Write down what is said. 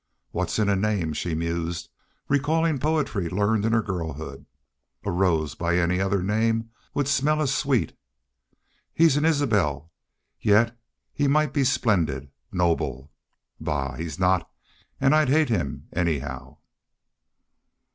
"What's in a name?" she mused, recalling poetry learned in her girlhood. "'A rose by any other name would smell as sweet'.... He's an Isbel yet he might be splendid noble.... Bah! he's not and I'd hate him anyhow."